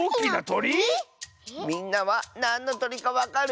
みんなはなんのとりかわかる？